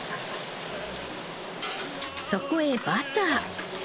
そこへバター。